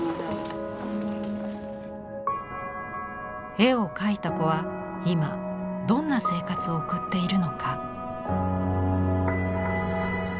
絵を描いた子は今どんな生活を送っているのか？